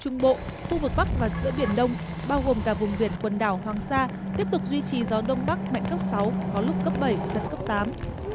trung bộ khu vực bắc và giữa biển đông bao gồm cả vùng biển quần đảo hoàng sa tiếp tục duy trì gió đông bắc mạnh cấp sáu có lúc cấp bảy giật cấp tám